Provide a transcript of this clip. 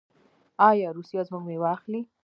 آیا روسیه زموږ میوه اخلي؟